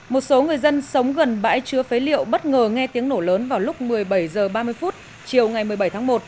một số người dân sống gần bãi chứa phế liệu bất ngờ nghe tiếng nổ lớn vào lúc một mươi bảy h ba mươi chiều ngày một mươi bảy tháng một